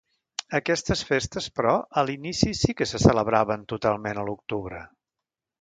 Aquestes festes però a l'inici sí que se celebraven totalment a l'octubre.